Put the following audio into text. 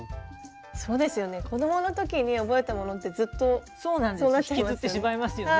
そうですよね子供の時に覚えたものってずっとそうなっちゃいますよね。